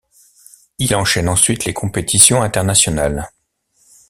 Il enchaine ensuite les compétitions internationales.